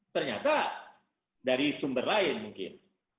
ternyata dari sumber lain mungkin